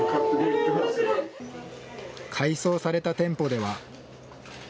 改装された店舗では。